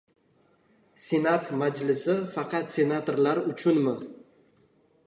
Senat majlisi faqat senatorlar uchun...mi?!